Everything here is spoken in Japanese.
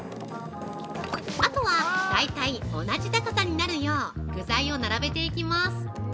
あとは、大体同じ高さになるよう具材を並べていきます。